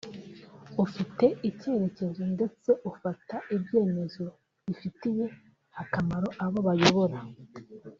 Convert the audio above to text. ufite icyerekezo ndetse ufata ibyemezo bifitiye akamaro abo bayobora